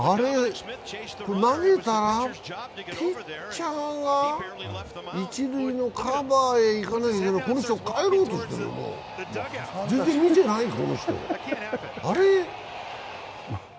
投げたらピッチャーが一塁のカバーへ行かなきゃいけない、この人、帰ろうとしてるな、全然見てない、この人。